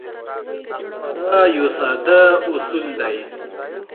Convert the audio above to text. دا یو ساده اصول دی.